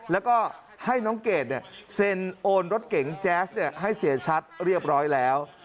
แล้วก็ให้น้องเกดเซ็นโอนรถเก๋งแจ๊สให้เสียชัดเรียบร้อยแล้ว